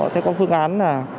sẽ có phương án